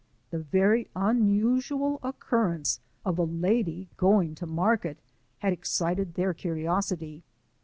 The very unusual occurrence of a lady going to market had excited their curiosity.